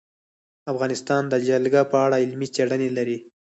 افغانستان د جلګه په اړه علمي څېړنې لري.